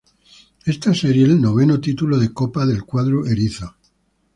Este sería el noveno titulo de Copa del cuadro "erizo".